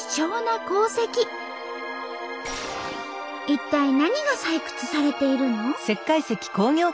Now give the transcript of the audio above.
一体何が採掘されているの？